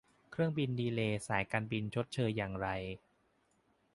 เที่ยวบินดีเลย์สายการบินชดเชยอย่างไร ?